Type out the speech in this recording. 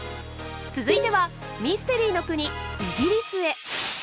続いてはミステリーの国イギリスへ。